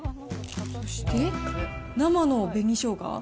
そして、生の紅しょうが。